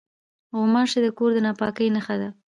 غوماشې د کور د ناپاکۍ نښه دي.